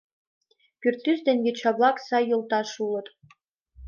Пӱртӱс ден йоча-влак сай йолташ улыт.